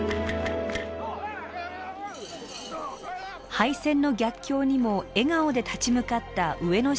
敗戦の逆境にも笑顔で立ち向かった上野周辺の人々。